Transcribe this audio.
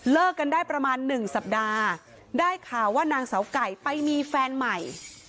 กันได้ประมาณหนึ่งสัปดาห์ได้ข่าวว่านางเสาไก่ไปมีแฟนใหม่